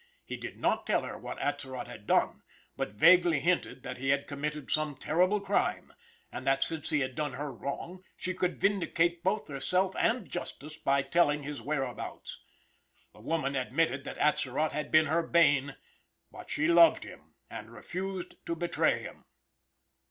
He did not tell her what Atzerott had done, but vaguely hinted that he had committed some terrible crime, and that since he had done her wrong, she could vindicate both herself and justice by telling his whereabouts. The woman admitted that Atzerott had been her bane, but she loved him, and refused to betray him.